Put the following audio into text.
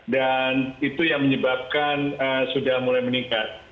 dan itu yang menyebabkan sudah mulai meningkat